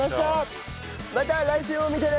また来週も見てね！